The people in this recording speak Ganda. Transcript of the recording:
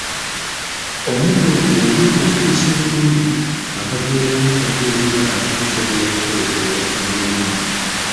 Omuddo ogwo bw’oba ng’ogubisse bulungi akaveera n’ettaka erimala gusobola okuterekebwa okumala omwaka.